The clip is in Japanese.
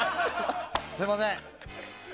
すみません。